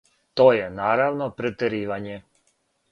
То је, наравно, претеривање.